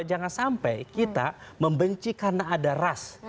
jangan sampai kita membenci karena ada ras